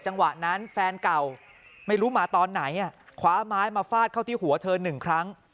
จังหวะนั้นแฟนเก่าไม่รู้มาตอนไหนคว้าไม้มาฟาดเข้าที่หัวเธอหนึ่งครั้ง